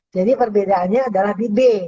perbedaannya adalah di b